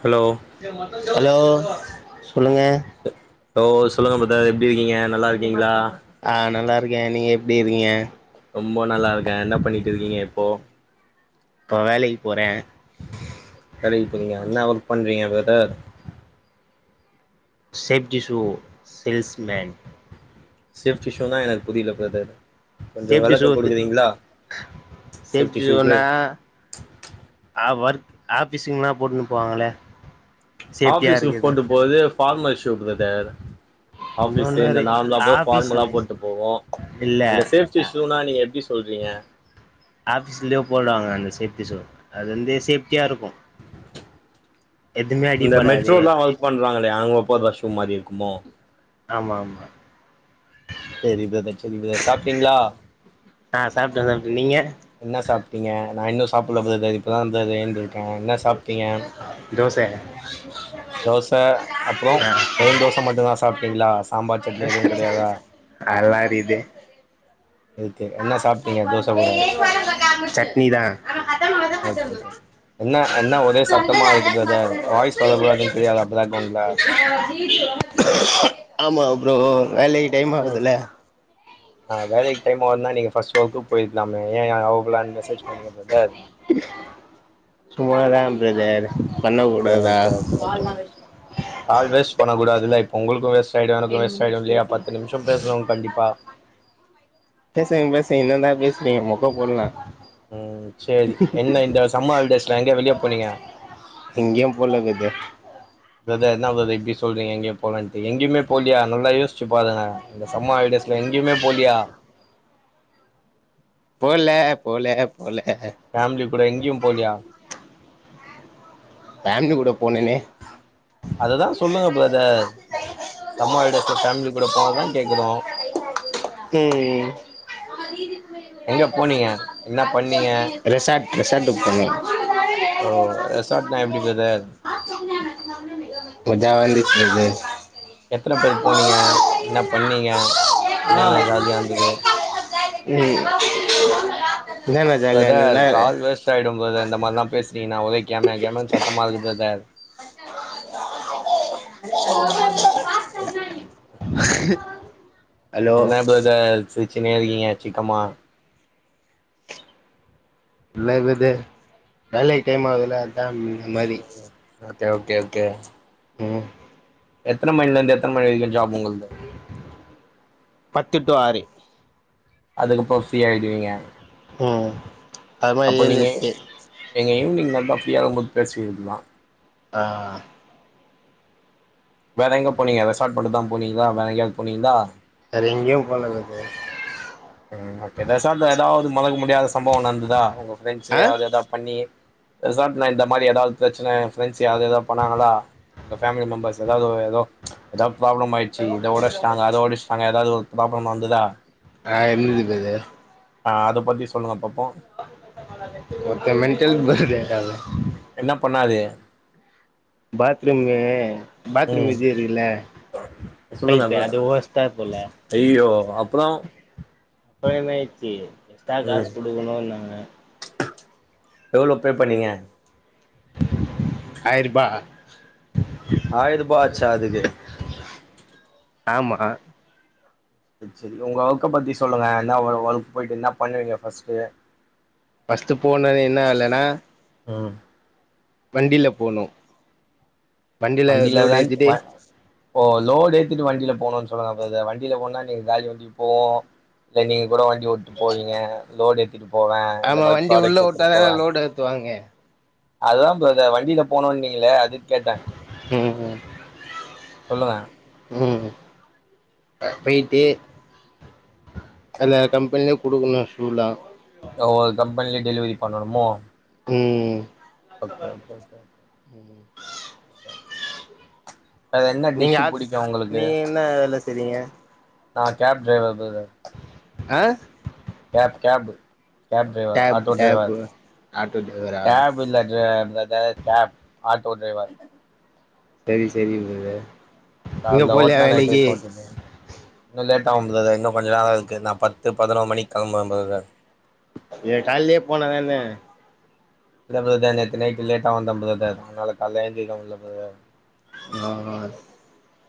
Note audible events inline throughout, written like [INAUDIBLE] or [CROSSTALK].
Hello hello சொல்லுங்க hello சொல்லுங்க brother எப்டி இருக்கீங்க நல்லா இருக்கீங்களா ஆஹ நல்லா இருக்கேன் நீங்க எப்டி இருக்கீங்க ரொம்ப நல்லா இருக்கேன் என்ன பண்ணிட்டு இருக்கீங்க இப்போ இப்ப வேலை வேலைக்கு போறீங்களா என்ன அவரு பண்றீங்க brother safety shoe salesman safety ஷூனா எனக் புரில பிரதர் கொஞ்சோ சேப்டிக் வெளக்க ஷூத்து குடுக்குறீங்களா சேஃப்டி சூனா ந ஆ ஓர்க் ஆபிஸுங்கனா போட்டுன்னு போவாங்களே ஆபிஸுக்கு போட்டு போது பார்மல் ஷூ பிரதர் ஆபிஸ் இன்னொன்னு இந்த ஒரு நார்மலா போ ஆஃபீஸ்ல பார்மலா போட்டு போவோம் இல்ல அந்த சேப்டி ஷூனா நீங்க எப்டி சொல்றீங்க சேப்டி ஷூ அது வந்து சேப்டியா இருக்கும் இந்த மெட்ரோலாம் ஒர்க் பண்றாங்களே அங்க போற ஷூ மாரி இருக்குமோ ஆமா ஆமா செரி பிரதர் செரி பிரதர் சாப்டீங்களா பிரதர் நீங்க என்ன சாப்டீங்க நான் இன்னும் சாப்டல பிரதர் இப்பதான் எந்து இருக்கேன் என்ன சாப் டீங்க தோச தோசை அப்புறம் வெரும் தோசை மட்டும்தான் சாப்ட் ங்லாஸ் அல்லாரிக்குது இருக்கு என்ன சாப்டீங்க தோச கூட சட்னி தான் ஓகே ஓகே என்ன என்ன ஒரே சத்தமா இருக்கு பிரதர் வாய்ஸ் வரக்கூடாதுன்னு தெரியாதா பேக்ரவுண்ட்ல ஆமா ப்ரோ வேலைக்கு டைம் ஆகுதுல ஆஹ வேலைக்கு டைம் ஆகுனா நீங்க சோக்கு போயிருக்கலாமே ஏன் அவைலபில மெசேஜ் பண்ணிக்க பிரதர் சும்மாதான் பிரதர் பண்ண ஓகே கூடாதா ஓகே ஓகே கால் வேஸ்ட் பண்ணக் கூடாது அதுல இப்ப உங்களுக்கோ வேஸ்ட் ஆயிடு எனக்கு வேஸ்ட் ஆயிடு இல்லியா பத்து நிமிஷ பேசுறோ கண்டிப்பா பேசுங்க பேசங்க இன்னு தா பேசிவிங்க மோக்க போடலாம் உஹம் செரி என்ன இந்த சம்மர் ஹாலிடேஸ்ல எங்கேய வெளியே போனீங்க எங்கேயு போல பிரதர் பிரதர் என்ன பிரதர் இப்டி சொல்றீங்க எங்கியே போலன்ட்டு எங்கியுமே போலியா நல்லா யோசிச்சு பாருங்க இந்த சம்மர் ஹாலிடேஸ்ல எங்கியுமே போலியா போல போல போல ஃபேமிலி கூட எங்கயும் போலியா ஃபேமிலி கூட போனேனே அதுதா சொல்லுங்க பிரதர் சம்மர் ஹலிடேஸ்ல ஃபேமிலி கூட போனதா கேக்குறோ எங்க போனீங்க இன்னா பண்ணீங்க ரிஷாட்க்கு போனோ ஓ ரிஷாட்னா எப்டி பிரதர் மஜா வந்துச்சு. இது எத்தன பேர் போனீங்க என்ன பண்ணீங்க என்னன்ன ஜாலியிந்தது உம் பிரதர் கால் வேஸ்டு ஆயிடு பிரதர் இந்த மாரிலாம் பேசி இனிக்கு நா ஒ கம கம சத்தமா இருக்கு பிரதர் [INAUDIBLE] [UNINTELLIGIBLE] ஹலோ என்ன பிரதர் சி [UNINTELLIGIBLE] இருக்கீங்க சீக்கமா இல்ல பிரதர் வேலைக்கு டைம் ஆகுதுல நா [UNINTELLIGIBLE] மாரி ஓகே ஓகே ஓகே உ எத்தன மணிலந்து எத்தன மணி வ பத்துட்டு ஆறு அதுகப்பறோ ஃப்ரீ ஆயிடுவீங்க ம் அது மாரி அப்போ ஏழு நீங்க எட்டு எங்க ஈவினிங்லந்தா ஃப்ரீயா ஆகும் போது பேச ஆஹ் வேர எங்க போனீங்க ரெசார்ட் மட்டுதா போனீங்ளா வேர எங்யாது போனீங்களா வெரெங்கியோ போல பிரதர் உஹம் ஓகே ரெசாட்ல ஏதாவது மறக்க முடியாத சம்பவ நந்துதா உங் ஆ அதச்ச ஏதா பண்ணி ரெசாட் இந்த மாரி ஏதாது பிரச்சன ஃப்ரெண்ட்ஸ் யாரு ஏதா பண்ணாங்கலா உங்க ஃபேமிலி மெம்பர்ஸ் எதொ எதா ப்ராப்ளம் ஆயிடுச்சு இத ஒடச்டாங்க அத ஒடச்டாங்க எதாது ப்ராப்ளம் வந்துதா ஆஹ் எது [UNINTELLIGIBLE] ஆஹ அத பத்தி சொல்லுங்க பா ஓகே மெண்டல் வருது கா என்ன பண்ணாது பாத்ரூமு பாத்ரூம் ம் இது இருக்குல அது ஒடச்டார் போல ஐயோ அப்புறோ அப்பறம் என்ன ஆய்ச்சு எக்ஸ்டா காசு ம் குடுக்கணும்னாங்க எவ்ளோ பே பண்ணீங்க ஆயிரபா ஆயிரூபா ஆச்சா அதுக்கு ஆமா செரி உங்க ஒர்க்க பத்தி சொல்லுங்க என்ன ஒர்க் போயிட்டு என்ன பண்ணுவீங்க ஃபஸ்ட் பஸ்டு போனது என்ன வேலனா உம் வண்டில போனும் வண்டில லோடு தான் ஏத்திட்டு வ ஓ லோடு ஏத்திட்டு வண்டில போனும்னு சொல்லுங்க பிரதர் வண்டியில போனா நீங்க காலி வண்டி போம் இல்ல நீங்க கூட வண்டி ஓட்டி போவீங்க லோடு எடுத் திட்டு போவேன் இந்த ஆமா மாரி வண்டி உள்ள பிராடெக்ட்ஸ் எடுத்துட்டு வுட்டாதான போவேன் லோடு ஏத்துவாங்க அதுதான் பிரதர் வண்டில போனோம்னீங்கள அது கேட்டேன் உம் உம் உம் ம் போயிட்டு எல்லா கம்பெனிலயும் கொடுக்கணும் ஷூலாம் ஒவ்வொரு கம்பெனிலயு பண்ணணுமோ உம் க்கம் போ [UNINTELLIGIBLE] நீங்க உங்களுக்கு நீ என்ன வேல செய்றீங்க நான் கேப் ட்ரைவர் பிரதர் ஆஹ கேப் கேபு கேப் டைவர் டேப் ஆட்டோ டைவர் டேப்பு ஆட்டோ டிரைவரா கேபு இல்ல பிரதர் கேப் ஆட்டோ டிரைவர் செரி செரி பிரதர் கால்ல ஓட்னா நைட்டுக்கு போட்டுப்பேன் இன்னும் லேட் டாகும் பிரதர் இன்னும் கொஞ்ச நேரம் இருக்கு நான் பத்து பதினோரு மணி கிளம்புவே பிரதர் ஏ கால்லயே போனதான் என்ன இல்ல பிரதர் நேத்து நைட்டு லேட்டா வந்தன் பிரதர் அதனால கால ஏந்திரிக்க முடியல பிரதர் உஹம் உஹ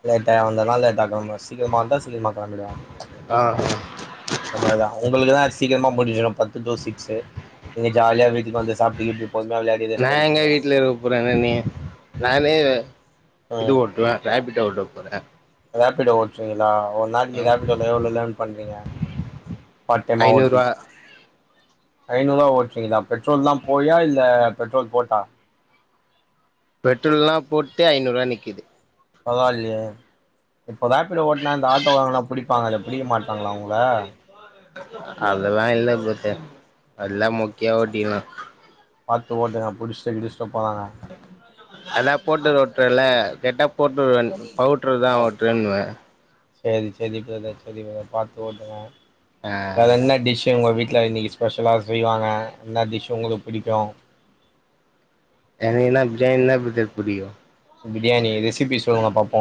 லேட்டா வந்ததுனா சீக்கிரம் வந்த சீக்கிரம கெளம்பி ஆ மாதிரிதான் உங்களுக்குதான் சீக்கிரமாடி பத்து டோிக் நீங்க ஜாலியா வீட்ல வந்து சா நான் எங்க வீட்டுல இருக்க போறேன் நானே இது ம் ஒட்டுவேன் ரேப்பிட்டோப ஆஹ ரேப்பிடா ஓட்டுீங்களா ஒரு நாளைக்கு ம் ஏதா எவ்வளவு லேர்ன் பண்றீங்க பார்ட டைமா ஓட்டி ஐநூறுவா ஐநூறு ரூபா ஒடடிங்களா பெட்ரோல் தான் போயா இல்ல பெட்ரோல் போட்டா பெட்ரோல்ல்லாம் போட்டு ஐநூறு ரூபாய் நிக்குது பரவாயில்லை இப்ப வேப்பில ஓட்டனா இந்த ஆட்டோ வாங்கனா பிடிப்பாங்க அத பிடிக்க மாட்டாங்களா உங்கள அதெல்லாம் இல்லலை போத்த எல்லாம் மோக்கியா ஓட்டனு பார்த்து ஓட்டுங்க புிடிச்ச கிடிச்சுிட்ட போதாங்க அதான் போட்டு ஓட்டுறல கட்டப் போட்டு பவுட்டுறதான் ஓட்டு வேணுவேன் செரி செரிப்பத-செரிப்பத பார்த்து ஓட்டுங்க ஆ அத என்ன டிஷ் உங்க வீ ட்ல இன்னிக்கு ஸ்பெஷலா செய்வாங்க இன்னா டிஷ்ஷு உங்களுக்கு பிடிக்கோ எனக்கு என்ன பிரியாணி இன்னா பிரதர் பிடிக்கு பிரியாணி ரிஸ் [UNINTELLIGIBLE] வாங்க பாப்போ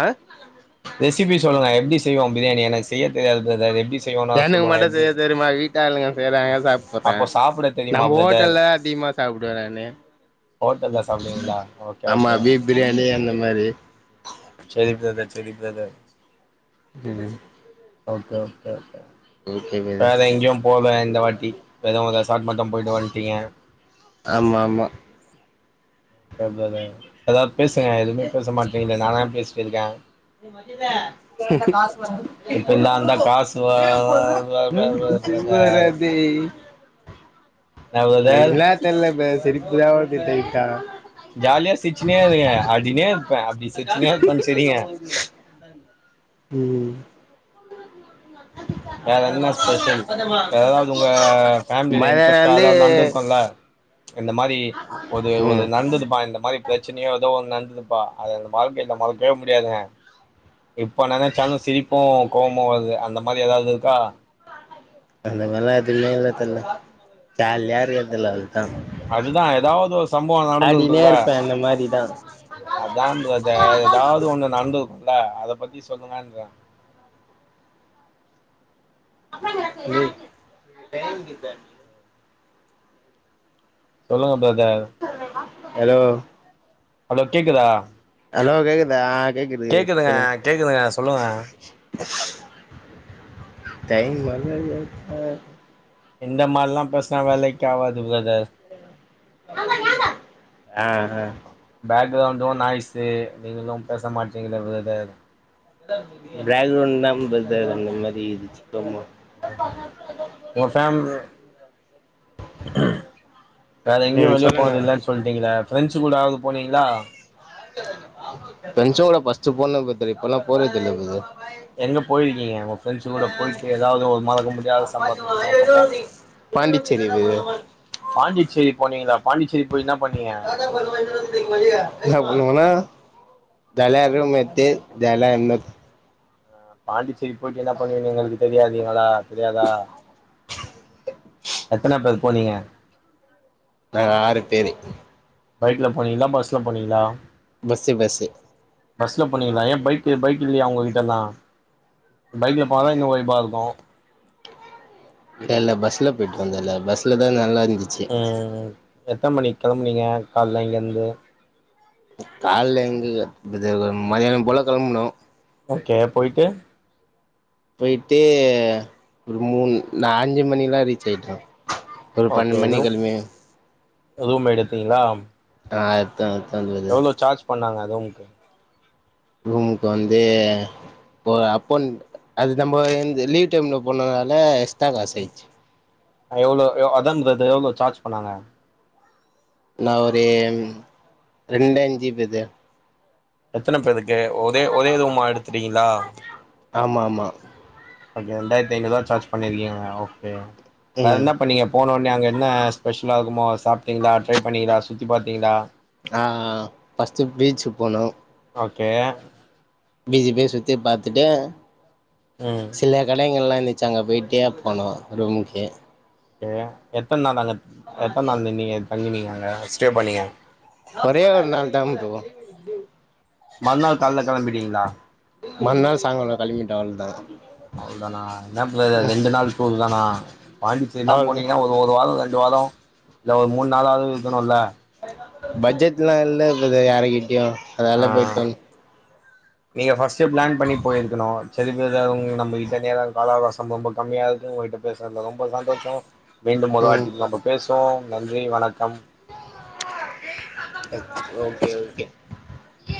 ஆ ரெசிபி சொல்லுங்க எப்டி செய்வோ பிரியாணி எனக்கு செய்ய தெரியாது பிரதர் எப்டி செய்வோனா எனக்கு சொல்லுங்க மட்டு எப்டி செய்ய தெரியுமா வீட்டாளுங்க செய்யறாங்க சாப்பிற்ர அப்போ சாப்பிட தெரியுமா நம்ம பிரதர் ஹோட்டல்ல அதிகமா சாப்பிடுவ நானு ஹோட்டல்ல சாப்பிடுவீங்களா ஓகே ஆமா ஓகே பீப் பிரியாணி அந்த மாரி செரி பிரதர் செரி பிரதர் உம் ஓகே-ஓகே-ஓகே பிரதர் வேற எங்கேயு போல இந்த வாட்டி ஏதோ கொஞ்ச ஸ்டார்ட் மட்டு போயிட்டு வந்ட்டீங்க ஆமா ஆமா ஹ பிரதர் [UNINTELLIGIBLE] பேசுங்க எதுவுமே பேச மாட்டீரீங்களே நானா பேசிட்டு இருக்கே [UNINTELLIGIBLE] இப்பெல்லா அந்த காசு வா-வா-வா [UNINTELLIGIBLE] எனக்கு விளையாட்டு இல்ல சிரிப்புதா வரு து [UNINTELLIGIBLE] ஜாலியா சிரிச்சீனே இருங்க ஆடினே இருப்பே அப்டி சிரிச்சீனே இருப்ப சிரிங்க ம் வேற என்ன ஸ்பெஷல் வேற ஏதாவது உங்க பெமிலில மதியானோ இன்ட்ரெஸ்டா வந்து எதாவது நடந்திருக்கும்ல இந்த மாரி ஒரு-ஒரு ம் நந்ததுபா இந்த மாரி பிரச்சனையோ ஏதோ நந்ததுப்பா அது அந்த வாழ்க்கையில மறக்கவே முடியாதுங்க இப்ப நெனைச்சாலு சிரிப்பு கோவம்மா வருது அந்த மாரி ஏதாவது இருக்கா அந்த மாரில்லா எதும இல்ல தல்ல ஜாலியா இருக்க தல அது அதுதா ஏதாவது ஒரு சம்பவ ஆடினே நடந்துருக்குலா இருப்பே அந்த மாரிதா அதா பிரதர் ஏதாவது ஒண்ணு நடந்துரு குல்ல அத பத்தி சொல்லுங்கன்றே ம் சொல்லுங்க பிர தர் ஹலோ ஹலோ கேக்குதா ஹலோ கேக்குதா கேக்குது சொல்லுங்க கேக்குதுங்க-கேக்குதுங்க சொல்லுங்க [UNINTELLIGIBLE] எந்த மாரில்லா பேஸ்னா வேலைக்காவது பிரதர் ஆஹ் ஆஹ் பேக்ரவுண்டும் நாய்ஸு நீங்களும் பேச மாட்டீங்கள ப்ரதர் பேக்ரவுண்ட் தான் அந்த மாதிரி இடிசுபமோ ஓ போஃம்லி வேற எங்கேயும் ம் வெளியே போனது இல்லன்னு சொல்லிட்டீங்களா பிரெஞ்சு கூட ஆது பிரஞ்சேட பஸ் அப்பா போனு இப்பெல்லாம் போறேது இல்லது எங்க போயிருக்கீங்க உங்க பிரண்ட்ஸ் கூட போயிட்டு ஏதாவது ஒரு மறக்க முடியாத சம்பாவத்த சொல்லுவங்க பாப்போம் பாண்டிச்சேரி இது பாண்டிச்சேரி போனீங்களா பாண்டிச்சேரி போய் என்ன பண்ணீங்க என்ன பண்ணுவணா ஜல்லி இருக்கு மத்த ஜல்யா இல்ல பாண்டிச்சே இப்ப போய்ட்டு என்ன பண்ணு எங்களுக்கு தெரியாதீங்கள தெரியாதா எத்தன பேர் போனீங்க நாங்க ஆறு போர் பைக்ல போனீங்களா பஸ்ல போனீங்களா.. ! பஸ் பஸ் பஸ்ல பண்ணிக்கலாம் ஏன் பைக் பைக் இல்லையா உங்க கிட்ட எல்லாம் பைக்ல போனாதா எங்க ஒயிபா இருக்கும் இல்ல இல்ல பஸ்ல போயிட்டு வந்த பஸ்லதான் நல்லா இருந்துச்சு உம் எத்தனை மணி கிளம்பறிங்க காலல இங்க இருந்து காலல எங்க மதியானம் போல கிளம்பனும் ஓகே போயட்டு போயிட்டு ஒரு மூணு அஞ்சு மணி எல்லாம் ரீச் ஆயிட்டம் ஒரு பன்னெடு மணிிக்கிழமைய ருமு எடுத்தீங்களா ஆ தன தந்து அத எவ்ளோ சார்ஜ் பண்ணாங்க ருமுங்க்கு ரூமுக்கு வந்து அப்போ அதுஎன்து நம்ம லீவ் டைம்ல போனதுனால தங்கசைச்சு எவ்வளவு அதான்து எவ்வளோ சார்ஜ் பண்ணாங்க நான் ஒருர ரெண்டஞ்சிபிது எத்தனை பேதுக்கு ஒரே ருமாதமா எடுத்து ல ஆமமா ஆமாாம் ஓகே ரெண்டாயிரத்த ஐநூா சார்ஜ் பண்ணிருக்கீங்க ஓகே வேற ம் என்ன பண்ணீங்க போன ஒனே அங்க என்ன ஸ்பெஷல் ஆகுமோ சாப்பிட்டீங்களா ட்ரை பண்ணீங்களா சுத்தி பாத்தீங்களா ஆஹ் பஃஸ்ட்டு பீச்சு போனோம் ஓக்கே பிசி பே சுத்தி பாத்துட்டு ம் சில கடைகள்லாம் லிச்சாங்க வெட்டியா போனும் ரூம்க்கு ஏய்யா எத்தன நாள் அங்க எத்த நாள் நின்னிங்க தங்கனீங்க எங்காட ஸ்டே பண்ணீங்க ஒரே ஒரு நாள் தான் ஃப்ரோ மறுநாள் கால்ல கிளம்பிட்டீங்களா மறுநாள் சாயங்கலம் கிளமிட்டோம் அவள்தான் அவ்ளதானா என்ன ப்ளேரே ரெண்டு நாள் டூர் தானா பாண்டிசேரிலாம் அவ்ளோதா போனீங்கன்னா ஒரு ஒரு வாரம் இந்தவாரம் இல்ல ஒரு மூணு நாளாவது இருக்கணும் இல்ல பட்ஜெட்லாம் இல்லை பிரதர் யார்கிட் யும் ஆ அதால போயிட்டோம் நீங்க ஃப்ஸ்ட் பிளான் பண்ணி போயிருக்கணும் சரி பிரதர் உ நம்மக்கிட்ட நேரம் காலாவகாசம் ரொம்ப கம்மியா இருக்கு உங்ககிட்ட பேசுறதுல ரொம்ப சந்தோஷம் மீண்டும் ஒரு ம் வாட்டி நம்ம பேசு தோம் நன்றி வணக்கம் ஓகே ஓகே ஏ